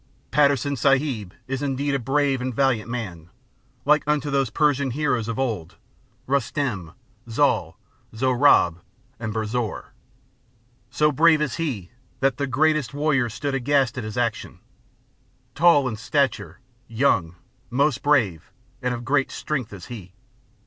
Patterson Sahib is indeed a brave and valiant man, like unto those Persian heroes of old Rustem, Zal, Sohrab and Berzoor; So brave is he, that the greatest warriors stood aghast at his action; Tall in stature, young, most brave and of great strength is he.